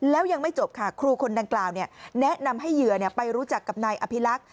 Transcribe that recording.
แล้วยังไม่จบค่ะครูคนดังกล่าวแนะนำให้เหยื่อไปรู้จักกับนายอภิรักษ์